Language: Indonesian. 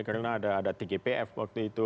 karena ada tgpf waktu itu